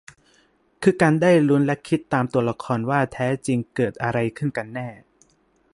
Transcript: คือการได้ลุ้นและคิดตามตัวละครว่าแท้จริงเกิดอะไรขึ้นกันแน่